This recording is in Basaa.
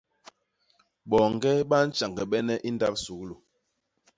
Boñge bantjañgbene i ndap suglu.